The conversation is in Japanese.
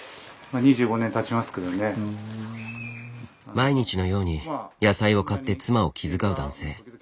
毎日のように野菜を買って妻を気遣う男性。